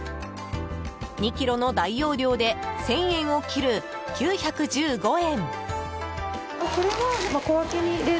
２ｋｇの大容量で１０００円を切る９１５円。